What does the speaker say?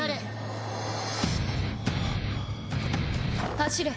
走れ。